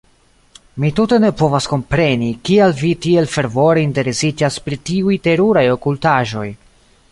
Mi tute ne povas kompreni, kial vi tiel fervore interesiĝas pri tiuj teruraj okultaĵoj.